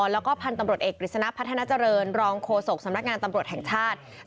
แล้วก็พันธุ์ตำรวจเอกกฤษณะพัฒนาเจริญรองโฆษกสำนักงานตำรวจแห่งชาติ